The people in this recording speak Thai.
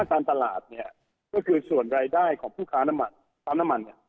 ค่าการตลาดก็คือส่วนรายได้ของผู้ค้าน้ำมัน